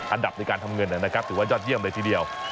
อันดับในการทำเงินนะครับถือว่ายอดเยี่ยมเลยทีเดียว